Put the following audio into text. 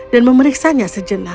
dan memeriksanya sejenak